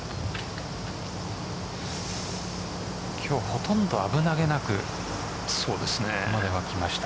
今日ほとんど危なげなくここまできました。